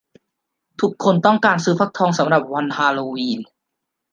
ทุกคนต้องการซื้อฟักทองสำหรับวันฮาโลวีน